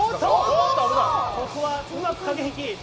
ここはうまく駆け引き。